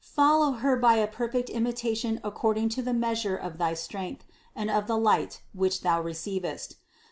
Follow Her by a perfect imitation according to the meas ure of thy strength and of the light which thou receivest.